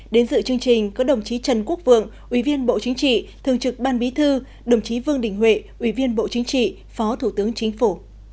đến dự chương trình có đồng chí trần quốc vượng ủy viên bộ chính trị thường trực ban bí thư đồng chí vương đình huệ ủy viên bộ chính trị phó thủ tướng chính phủ